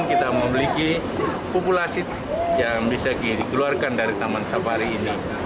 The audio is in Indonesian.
kita memiliki populasi yang bisa dikeluarkan dari taman safari ini